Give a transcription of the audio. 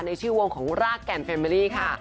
ในชื่อวงของรากแก่นเมอรี่ค่ะ